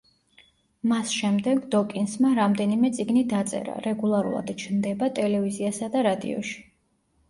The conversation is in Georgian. მას შემდეგ დოკინსმა რამდენიმე წიგნი დაწერა, რეგულარულად ჩნდება ტელევიზიასა და რადიოში.